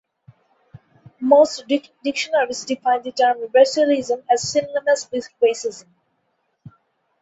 Most dictionaries define the term "racialism" as synonymous with racism.